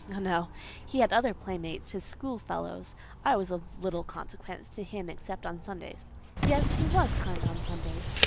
Oh, no! he had other playmates—his school fellows; I was of little consequence to him, except on Sundays: yes, he was kind on Sundays.